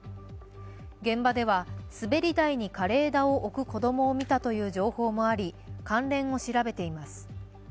現場では滑り台に枯れ枝を置く子供を見たという情報もあり関連を調べています。